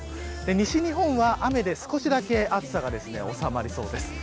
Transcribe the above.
西日本は雨で少しだけ暑さが収まりそうです。